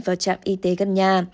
vào trạm y tế gần nhà